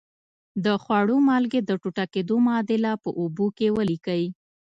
د خوړو مالګې د ټوټه کیدو معادله په اوبو کې ولیکئ.